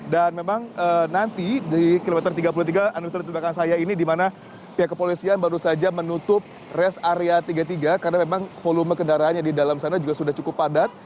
dan memang nanti di kilometer tiga puluh tiga anggota di belakang saya ini di mana pihak kepolisian baru saja menutup rest area tiga puluh tiga karena memang volume kendaraannya di dalam sana juga sudah cukup padat